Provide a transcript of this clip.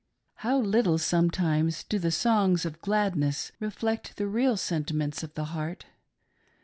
How little sometimes do the songs of gladness reflect the real sentiments ■of 'the heart.